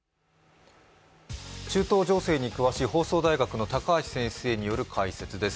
中東情勢に詳しい放送大学の高橋先生の解説です。